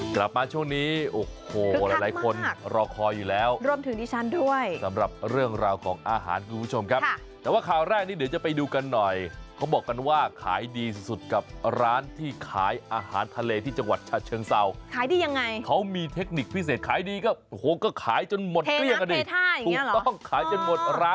กลับมาช่วงนี้โอ้โหหลายหลายคนรอคอยอยู่แล้วรวมถึงดิฉันด้วยสำหรับเรื่องราวของอาหารคุณผู้ชมครับแต่ว่าข่าวแรกนี้เดี๋ยวจะไปดูกันหน่อยเขาบอกกันว่าขายดีสุดกับร้านที่ขายอาหารทะเลที่จังหวัดฉะเชิงเศร้าขายได้ยังไงเขามีเทคนิคพิเศษขายดีก็โอ้โหก็ขายจนหมดเกลี้ยกันดิใช่ถูกต้องขายจนหมดร้าน